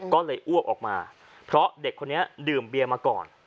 ก็เลยอ้วกออกมาเพราะเด็กคนนี้ดื่มเบียมาก่อน